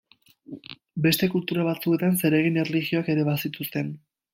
Beste kultura batzuetan zeregin erlijioak ere bazituzten.